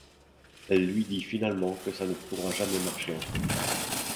Elle lui dit finalement que ça ne pourra jamais marcher entre eux.